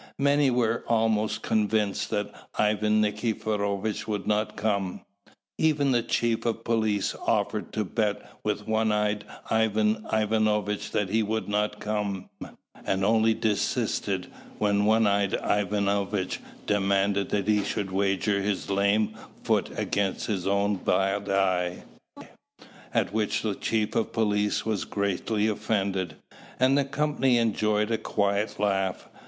Many were almost convinced that Ivan Nikiforovitch would not come. Even the chief of police offered to bet with one eyed Ivan Ivanovitch that he would not come; and only desisted when one eyed Ivan Ivanovitch demanded that he should wager his lame foot against his own bad eye, at which the chief of police was greatly offended, and the company enjoyed a quiet laugh.